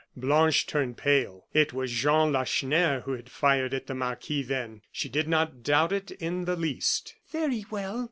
Blanche turned pale. It was Jean Lacheneur who had fired at the marquis then. She did not doubt it in the least. "Very well!"